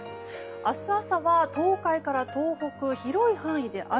明日朝は東海から東北広い範囲で雨。